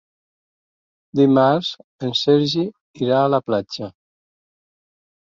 Dimarts en Sergi irà a la platja.